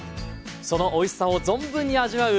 そのおいしさを存分に味わう